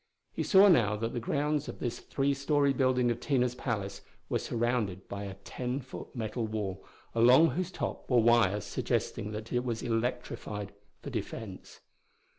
He saw now that the grounds of this three story building of Tina's palace were surrounded by a ten foot metal wall, along whose top were wires suggesting that it was electrified for defense.